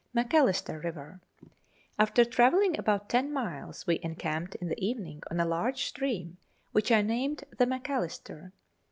Macalister River. After travelling about ten miles we encamped in the evening on a large stream, which I named the Macalister.